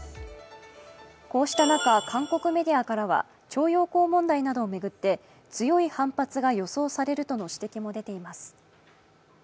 こうした中、韓国メディアからは徴用工問題などを巡って強い反発が予想されるとの指摘も出ています。